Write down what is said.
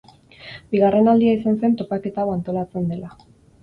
Bigarren aldia izan zen topaketa hau antolatzen dela.